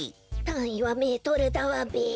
たんいはメートルだわべ。